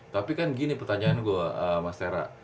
tapi kan gini pertanyaan gue mas tera